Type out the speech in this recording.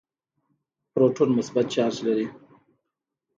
پروټون مثبت چارج لري.